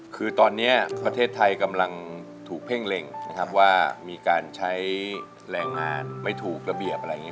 คือตอนนี้ประเทศไทยกำลังถูกเพ่งเล็งนะครับว่ามีการใช้แรงงานไม่ถูกระเบียบอะไรอย่างนี้